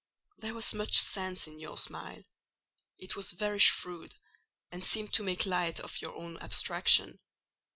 There was much sense in your smile: it was very shrewd, and seemed to make light of your own abstraction.